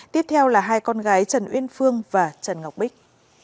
tiếp theo là hai con gái trần uyên phương và trần ngọc bích